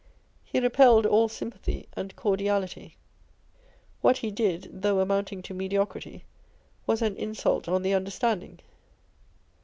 lie repelled all sympathy and cordiality. What he did (though amounting to mediocrity) was an insult on the understanding.